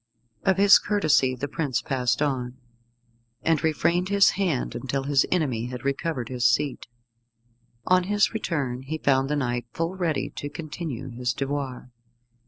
Of his courtesy the prince passed on, and refrained his hand until his enemy had recovered his seat. On his return he found the knight full ready to continue his devoir.